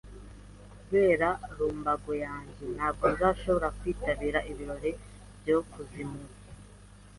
Kubera lumbago yanjye, ntabwo nzashobora kwitabira ibirori bya Koizumi.